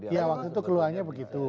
iya waktu itu keluarnya begitu